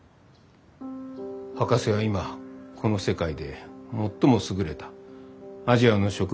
博士は今この世界で最も優れたアジアの植物の専門家だ。